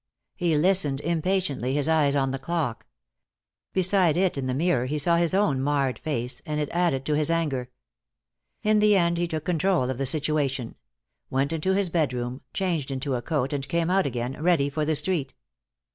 He listened, impatiently, his eyes on the clock. Beside it in the mirror he saw his own marred face, and it added to his anger. In the end he took control of the situation; went into his bedroom, changed into a coat, and came out again, ready for the street.